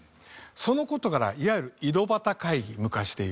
その事からいわゆる井戸端会議昔でいう。